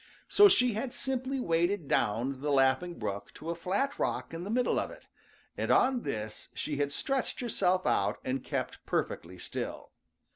So she had simply waded down the Laughing Brook to a flat rock in the middle of it, and on this she had stretched herself out and kept perfectly still.